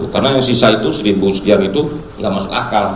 karena yang sisa itu satu sekian itu nggak masuk akal